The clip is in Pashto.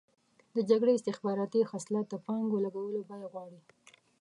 د جګړې استخباراتي خصلت د پانګو لګولو بیه غواړي.